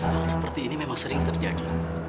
hal seperti ini memang sering terjadi